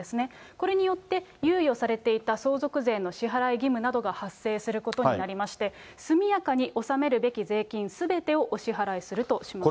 これによって、猶予されていた相続税の支払い義務などが発生することになりまして、速やかに納めるべき税金すべてをお支払いするとしました。